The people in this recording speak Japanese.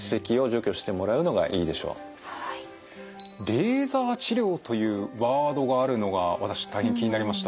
レーザー治療というワードがあるのが私大変気になりました。